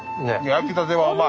・焼きたてはうまい。